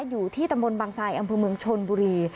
อยู่ที่ตำบลบางทรายอำเภอเมืองชนบุรี